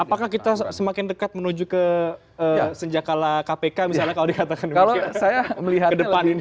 apakah kita semakin dekat menuju ke senjakala kpk misalnya kalau dikatakan begitu